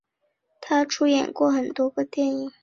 她出演过很多电影。